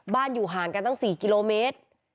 อยู่ห่างกันตั้ง๔กิโลเมตร